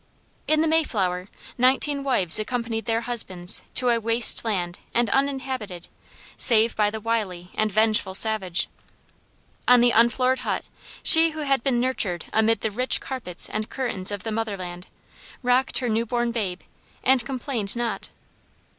In the Mayflower, nineteen wives accompanied their husbands to a waste land and uninhabited, save by the wily and vengeful savage. On the unfloored hut, she who had been nurtured amid the rich carpets and curtains of the mother land, rocked her new born babe, and complained not.